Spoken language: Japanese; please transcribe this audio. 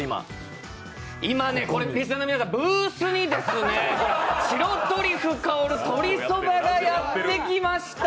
今ね、リスナーの皆さん、ブースにですね、白トリュフ香る鶏そばがやってきました。